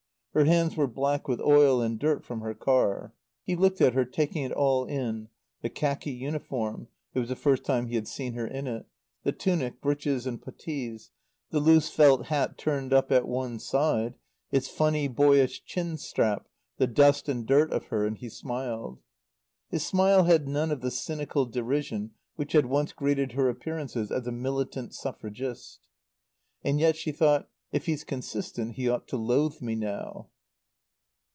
Her hands were black with oil and dirt from her car. He looked at her, taking it all in: the khaki uniform (it was the first time he had seen her in it), the tunic, breeches and puttees, the loose felt hat turned up at one side, its funny, boyish chin strap, the dust and dirt of her; and he smiled. His smile had none of the cynical derision which had once greeted her appearances as a militant suffragist. "And yet," she thought, "if he's consistent, he ought to loathe me now."